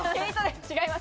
違います。